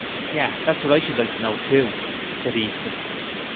'Yes; that's what I should like to know too,' said Easton.